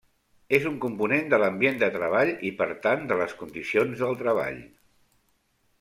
És un component de l'ambient de treball i per tant de les condicions del treball.